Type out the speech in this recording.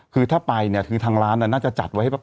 คือถ้าไปเนี่ยคือทางร้านน่าจะจัดไว้ให้